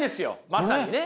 まさにね。